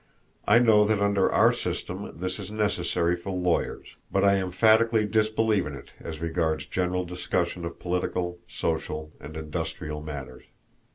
I know that under our system this is necessary for lawyers, but I emphatically disbelieve in it as regards general discussion of political, social, and industrial matters.